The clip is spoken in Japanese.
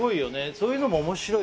そういうのも面白いよね